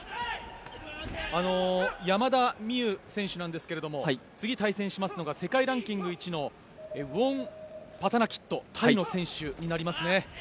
山田美諭選手なんですが次、対戦しますのが世界ランキング１位のウオンパタナキットタイの選手になりますね。